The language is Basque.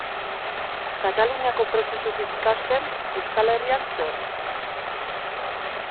Kataluniako prozesutik ikasten, Euskal Herrian zer?